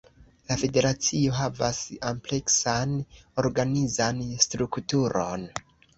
La federacio havas ampleksan organizan strukturon.